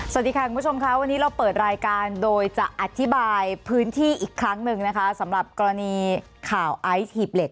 สวัสดีค่ะคุณผู้ชมค่ะวันนี้เราเปิดรายการโดยจะอธิบายพื้นที่อีกครั้งหนึ่งนะคะสำหรับกรณีข่าวไอซ์หีบเหล็ก